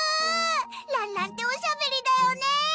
らんらんっておしゃべりだよね